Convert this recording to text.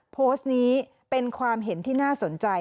โพสต์นี้เป็นความเห็นที่น่าสนใจ